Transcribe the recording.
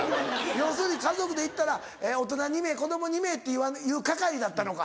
要するに家族で行ったら「大人２名子供２名」って言う係だったのか。